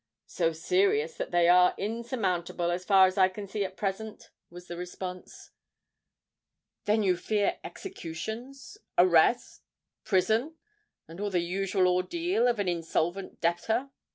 "So serious that they are insurmountable, as far as I can see at present," was the response. "Then you fear executions—arrest—prison—and all the usual ordeal of an insolvent debtor?"